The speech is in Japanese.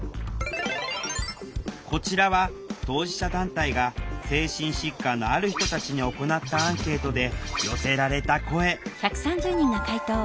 こちらは当事者団体が精神疾患のある人たちに行ったアンケートで寄せられた声断る必要ないじゃん。